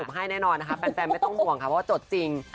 เดี๋ยวก็สรุปให้แปลนแปลนไม่ต้องห่วงนะครับว่าจดจริง